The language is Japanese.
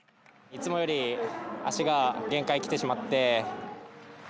いつもより足が限界きてしまって。